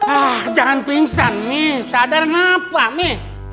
ah jangan pingsan mi sadaran apa mi